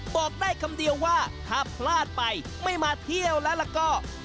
บอกได้คำเดียวว่าถ้าพลาดไปไม่มาเที่ยวแล้วก็